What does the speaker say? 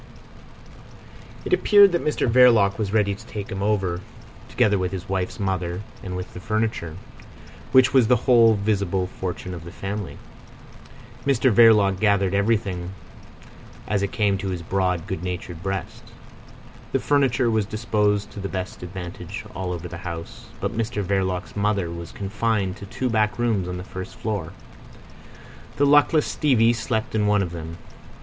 It appeared that Mr Verloc was ready to take him over together with his wife's mother and with the furniture, which was the whole visible fortune of the family. Mr Verloc gathered everything as it came to his broad, good natured breast. The furniture was disposed to the best advantage all over the house, but Mrs Verloc's mother was confined to two back rooms on the first floor. The luckless Stevie slept in one of them.